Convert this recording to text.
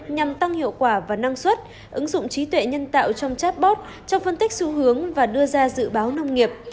nhằm tăng hiệu quả và năng suất ứng dụng trí tuệ nhân tạo trong chatbot trong phân tích xu hướng và đưa ra dự báo nông nghiệp